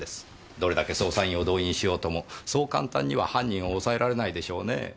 どれだけ捜査員を動員しようともそう簡単には犯人を押さえられないでしょうね。